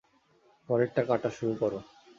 পরেরটা কাটা শুরু করো।